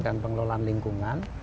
dan pengelolaan lingkungan